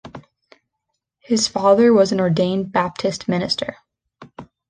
His father was an ordained Baptist minister.